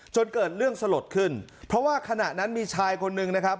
จนเกิดเรื่องสลดขึ้นเพราะว่าขณะนั้นมีชายคนหนึ่งนะครับ